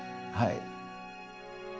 はい。